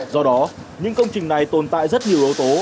do đó những công trình này tồn tại rất nhiều yếu tố